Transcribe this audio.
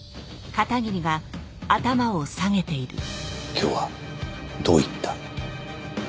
今日はどういった？